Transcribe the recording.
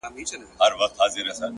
o رب دي سپوږمۍ كه چي رڼا دي ووينمه؛